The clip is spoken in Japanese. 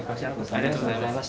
ありがとうございます。